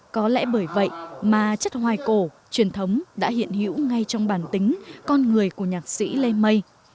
có lẽ bởi vậy mà chất hoài cổ truyền thống đã hiện hữu ngay trong bản tính con người của nhạc sĩ lê mây